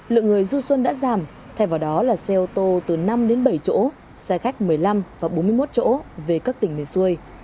lượng người du xuân đã giảm thay vào đó là xe ô tô từ năm đến bảy chỗ xe khách một mươi năm và bốn mươi một chỗ về các tỉnh miền xuôi